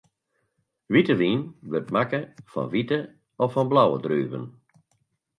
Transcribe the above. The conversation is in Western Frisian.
Wite wyn wurdt makke fan wite of fan blauwe druven.